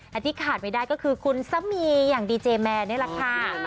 และที่ขาดไม่ได้ก็คือคุณซะมีอย่างดีเจแมนนี่แหละค่ะ